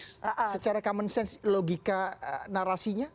secara common sense logika narasinya